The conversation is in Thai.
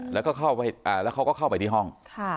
แล้วก็เขาก็เข้าไปที่ห้อง